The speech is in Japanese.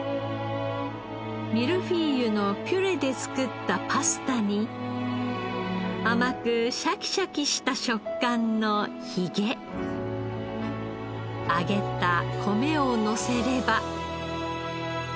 ミルフィーユのピュレで作ったパスタに甘くシャキシャキした食感のヒゲ揚げた米をのせれば。